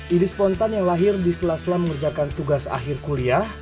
idis spontan yang lahir diselas selam mengerjakan tugas akhir kuliah